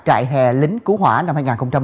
trại hè lính cứu hỏa năm hai nghìn một mươi chín